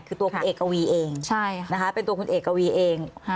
คือตัวคุณเอกกะวีเองใช่นะคะเป็นตัวคุณเอกกะวีเองฮะ